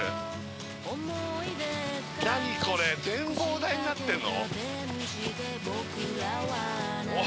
何これ、展望台になってるの？